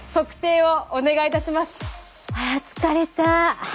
あ疲れた。